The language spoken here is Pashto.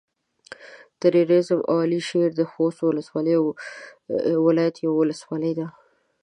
تريزي او على شېر د خوست ولايت يوه ولسوالي ده.